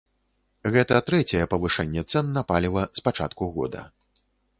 Гэта трэцяе павышэнне цэн на паліва з пачатку года.